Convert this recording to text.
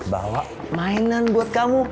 bawa mainan buat kamu